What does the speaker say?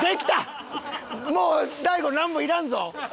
もう大悟なんもいらんぞ！